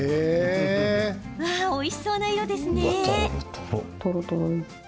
わあ、おいしそうな色ですね。